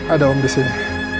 ada om di sini